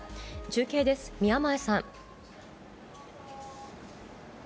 中継です、宮前さん。